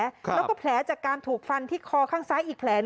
แล้วก็แผลจากการถูกฟันที่คอข้างซ้ายอีกแผล